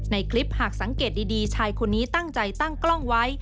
ในคลิปหากสังเกตดีชายคนนี้ตั้งใจตั้งกล้องไว้